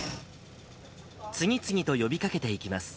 次々と呼びかけていきます。